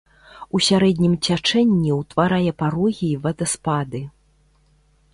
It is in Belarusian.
У сярэднім цячэнні ўтварае парогі і вадаспады.